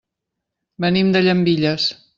Venim de Llambilles.